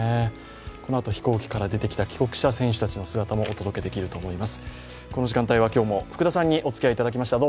このあと飛行機から出てきた帰国した選手たちの姿もお伝えできると思います。